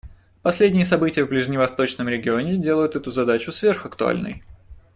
Последние события в ближневосточном регионе делают эту задачу сверхактуальной.